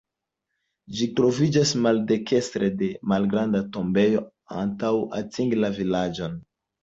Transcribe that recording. Ĝi troviĝas maldekstre de malgranda tombejo antaŭ atingi la vilaĝon.